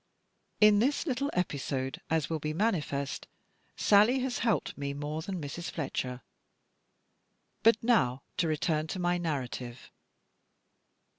In this little episode, as will be manifest, Sally has helped me more than Mrs. Fletcher. But now, to return to my narrative.